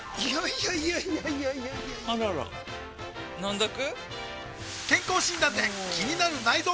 いやいやいやいやあらら飲んどく？